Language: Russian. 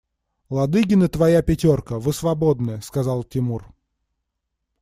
Ладыгин и твоя пятерка, вы свободны, – сказал Тимур.